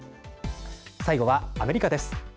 最後はアメリカです。